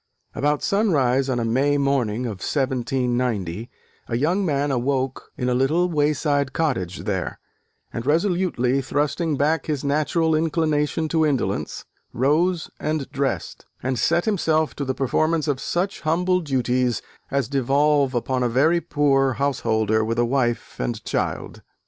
About sunrise on a May morning of 1790, a young man awoke in a little wayside cottage there: and, resolutely thrusting back his natural inclination to indolence, rose and dressed, and set himself to the performance of such humble duties as devolve upon a very poor householder with a wife and child.